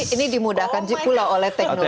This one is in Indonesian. ini dimudahkan pula oleh teknologi